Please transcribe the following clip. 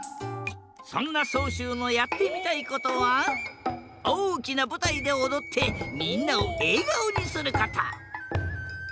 そんなそうしゅうのやってみたいことはおおきなぶたいでおどってみんなをえがおにすること。